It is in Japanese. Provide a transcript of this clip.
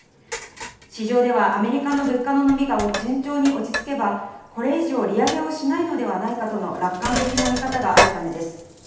市場ではアメリカの物価の伸びが順調に落ち着けば、これ以上利上げをしないのではないかとの楽観的な見方があるためです。